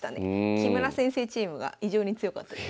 木村先生チームが異常に強かったです。